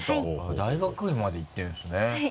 大学院まで行ってるんですね。